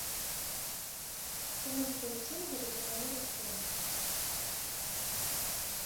Чаму вы палічылі гэта за мае расходы?